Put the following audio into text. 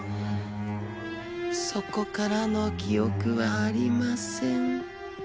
そこからの記憶はありません。